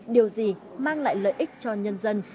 điều gì mang lại lợi ích cho nhân dân